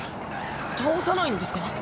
倒さないんですか？